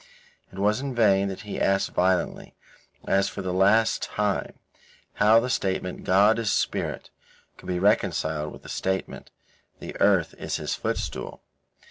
It was in vain that he asked violently, as for the last time, how the statement "God is Spirit" could be reconciled with the statement "The earth is His footstool."